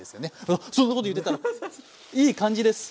うわっそんなこと言ってたらいい感じです。